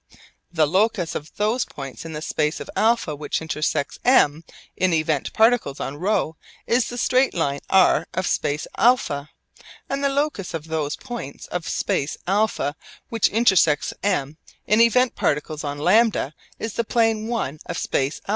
The locus of those points of the space of α which intersect M in event particles on ρ is the straight line r of space α, and the locus of those points of the space of α which intersect M in event particles on λ is the plane l of space α.